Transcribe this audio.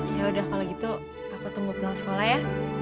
yaudah kalau gitu aku tunggu pulang sekolah ya